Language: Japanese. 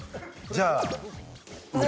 じゃあ上。